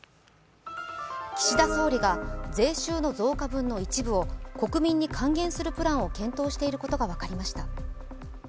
岸田総理が税収の増加分の一部を国民に還元するプランを検討していることが分かりました。